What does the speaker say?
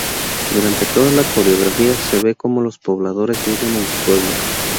Durante toda la coreografía se ve cómo los pobladores viven en su pueblo.